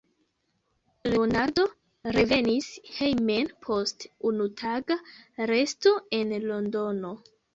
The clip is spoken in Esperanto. Leonardo revenis hejmen post unutaga resto en Londono.